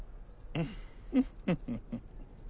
ンフフフ。